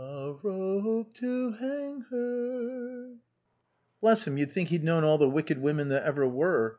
"'A rope to hang her'" "Bless him, you'd think he'd known all the wicked women that ever were.